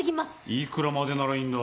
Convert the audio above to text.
いくらまでならいいんだ？